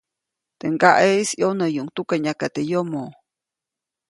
Teʼ ŋgaʼeʼis ʼyonäyuʼuŋ tukanyaka teʼ yomo,.